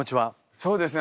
そうですね